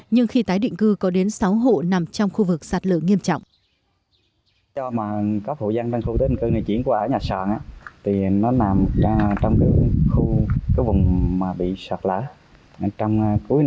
nhưng khi tái định cư có đến sáu hộ nằm trong khu vực sạt lở nghiêm trọng